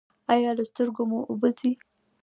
ایا له سترګو مو اوبه ځي؟